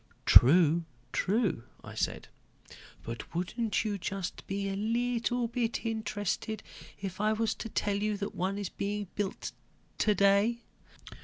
"True, true," I said. "But wouldn't you be just a little bit interested if I was to tell you that one is being built today?"